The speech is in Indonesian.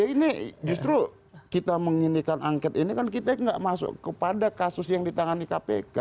ini justru kita menginikan angket ini kan kita nggak masuk kepada kasus yang ditangani kpk